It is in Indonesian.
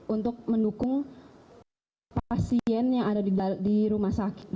untuk mendukung pasien yang ada di rumah sakit